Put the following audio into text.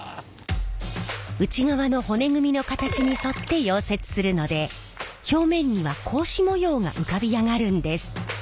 内側の骨組みの形に沿って溶接するので表面には格子模様が浮かび上がるんです。